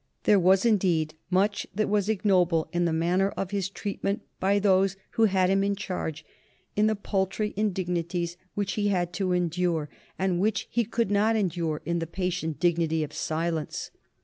There was, indeed, much that was ignoble in the manner of his treatment by those who had him in charge, in the paltry indignities which he had to endure, and which he could not endure in the patient dignity of silence.